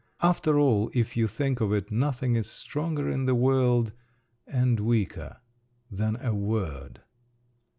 After all, if you think of it, nothing is stronger in the world … and weaker—than a word!